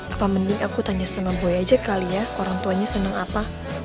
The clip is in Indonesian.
apa mending aku tanya sama buaya aja kali ya orang tuanya senang apa